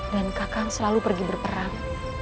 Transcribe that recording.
dan kakak selalu pergi berperang